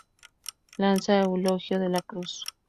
Lanza Eulogio de la Cruz.